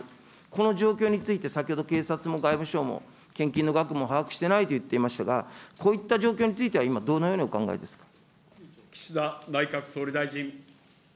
この状況について、先ほど警察も外務省も、献金の額も把握してないと言っていましたが、こういった状況については、今、どのようにお考えですか。